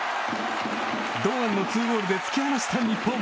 堂安の２ゴールで突き放した日本。